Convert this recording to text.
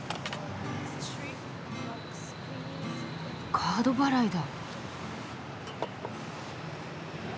カード払いだ。